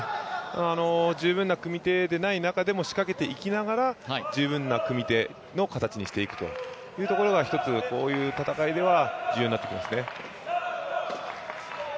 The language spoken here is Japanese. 十分な組み手でない中でも仕掛けていきながら、十分な組み手の形にしていくということが１つ、こういう戦いでは重要になってきますね。